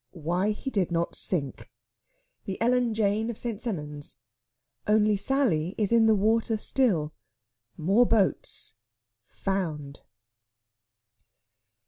WHY HE DID NOT SINK. THE ELLEN JANE OF ST. SENNANS. ONLY SALLY IS IN THE WATER STILL. MORE BOATS. FOUND!